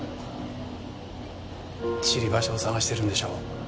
散り場所を探しているんでしょう？